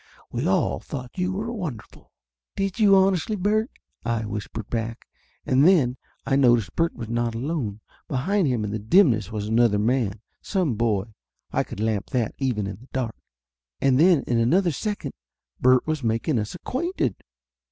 We all thought you were wonderful!" "Did you, honestly, Bert?" I whispered back. And then I noticed Bert was not alone. Behind him in the dimness was another man some boy, I could lamp that, even in the dark! And then in another second Bert was making us acquainted.